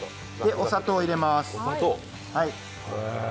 で、お砂糖入れます。